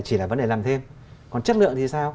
chỉ là vấn đề làm thêm còn chất lượng thì sao